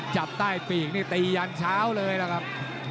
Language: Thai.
จับใต้ปีกนี่ตียันเช้าเลยล่ะครับ